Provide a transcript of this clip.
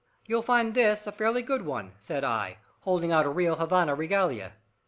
"You'll find this a fairly good one," said I, holding out a real Havana regalia.